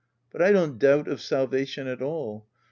But I don't doubt of salvation at all.